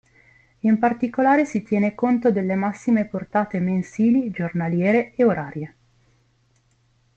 In particolare si tiene conto delle massime portate mensili, giornaliere e orarie.